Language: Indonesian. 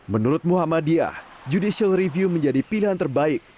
menurut muhammadiyah judicial review menjadi pilihan terbaik